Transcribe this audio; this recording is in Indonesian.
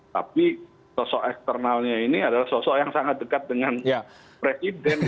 tapi sosok eksternalnya ini adalah sosok yang sangat dekat dengan presiden